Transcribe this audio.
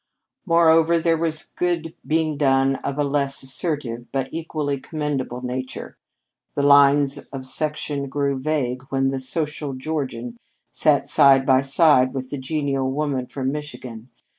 Moreover, there was good being done of a less assertive but equally commendable nature. The lines of section grew vague when the social Georgian sat side by side with the genial woman from Michigan.